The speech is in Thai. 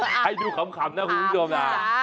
ให้ดูขำนะคุณผู้ชมนะ